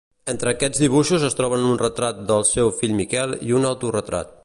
Entre aquests dibuixos es troben un retrat del seu fill Miquel i un autoretrat.